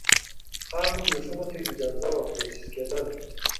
خامو ورېښمو ته اجازه وه پروسس کېدل.